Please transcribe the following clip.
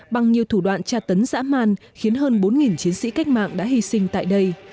bằng nhiều thủ đoạn tra tấn dã man khiến hơn bốn chiến sĩ cách mạng đã hy sinh tại đây